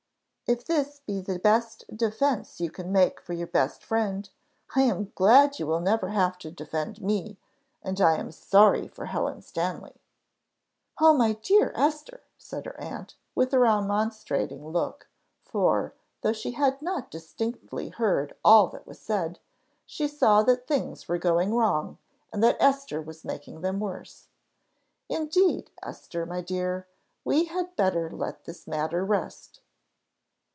"If this be the best defence you can make for your best friend, I am glad you will never have to defend me, and I am sorry for Helen Stanley." "Oh, my dear Esther!" said her aunt, with a remonstrating look; for, though she had not distinctly heard all that was said, she saw that things were going wrong, and that Esther was making them worse. "Indeed, Esther, my dear, we had better let this matter rest."